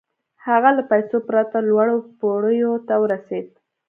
هغه له پيسو پرته لوړو پوړيو ته ورسېد.